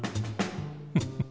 フフフフ。